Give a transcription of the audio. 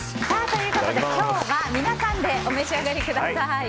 今日は、皆さんでお召し上がりください。